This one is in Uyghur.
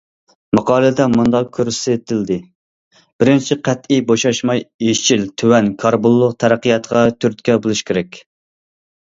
ماقالىدە مۇنداق كۆرسىتىلدى: بىرىنچى، قەتئىي بوشاشماي يېشىل، تۆۋەن كاربونلۇق تەرەققىياتقا تۈرتكە بولۇش كېرەك.